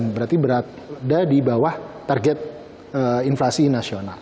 berarti berada di bawah target inflasi nasional